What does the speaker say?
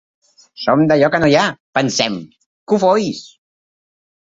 “Som d’allò que no hi ha!”, pensem, cofois.